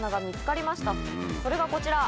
それがこちら。